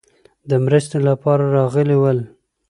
د مرستې لپاره راغلي ول.